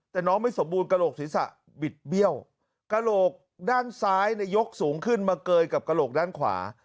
แต่น้องไม่สมบูรณ์กระโหลกศีรษะบิดเบี้ยวกระโหลกด้านซ้ายเนี่ยยกสูงขึ้นมาเกยกับกระโหลกด้านขวา